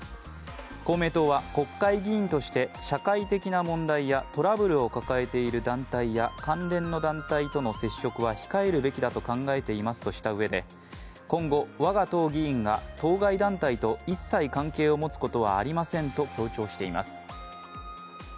公明党は、国会議員として社会的な問題やトラブルを抱えている団体や関連の団体との接触は控えるべきだと考えていますとしたうえで今後、我が党議員が当該団体と一切関係を持つことはありませんと強調しています。